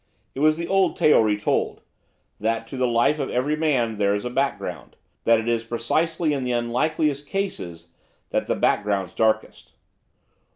It was the old tale retold, that to the life of every man there is a background, that it is precisely in the unlikeliest cases that the background's darkest.